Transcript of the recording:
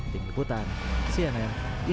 tinggu putan cnn indonesia